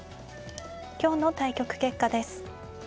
今日の対局結果です。